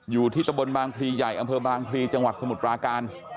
อยู่ที่ตะบนบางพลีใหญ่อำเภอบางพลีจังหวัดสมุทรปราการ